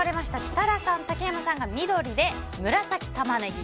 設楽さん、竹山さんが緑で紫タマネギ。